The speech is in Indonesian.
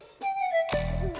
udah gitu sekarang nih